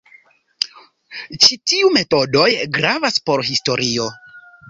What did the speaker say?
Ĉi tiu metodoj gravas por historio.